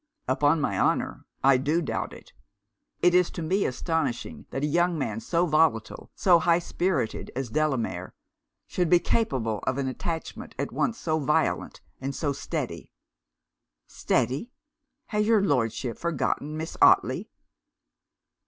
'Upon my honour I do doubt it! It is to me astonishing that a young man so volatile, so high spirited as Delamere, should be capable of an attachment at once so violent and so steady.' 'Steady! Has your Lordship forgotten Miss Otley?'